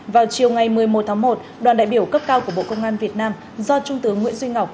vào chiều ngày một mươi một tháng một đoàn đại biểu cấp cao của bộ công an việt nam do trung tướng nguyễn duy ngọc